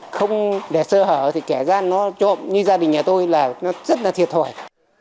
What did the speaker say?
không để sơ hở thì kẻ gian nó trộm như gia đình nhà tôi là nó rất là thiệt thòi